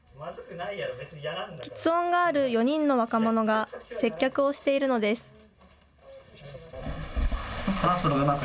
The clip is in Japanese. きつ音がある４人の若者が接客をしているのです。